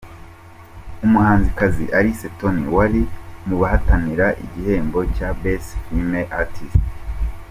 Umuhanzikazi Alice Tonny wari mu bahataniraga igihembo cya Best Female artist.